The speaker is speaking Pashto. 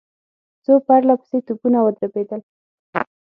څو پرله پسې توپونه ودربېدل.